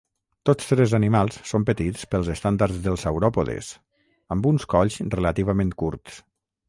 Tots tres animals són petits pels estàndards dels sauròpodes, amb uns colls relativament curts.